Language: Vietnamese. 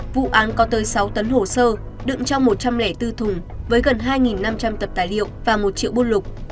vụ án có tới sáu tấn hồ sơ đựng trong một trăm linh bốn thùng với gần hai năm trăm linh tập tài liệu và một triệu bút lục